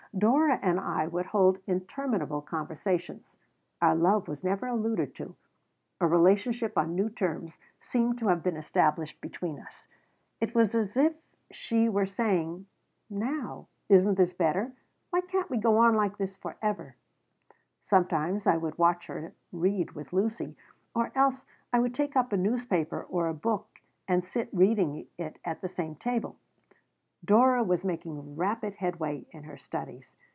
Dora and I would hold interminable conversations. Our love was never alluded to. A relationship on new terms seemed to have been established between us. It was as if she were saying: "Now, isn't this better? Why can't we go on like this forever?" Sometimes I would watch her read with Lucy. Or else I would take up a newspaper or a book and sit reading it at the same table. Dora was making rapid headway in her studies.